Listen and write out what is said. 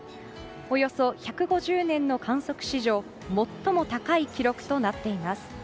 およそ１５０年の観測史上最も高い記録となっています。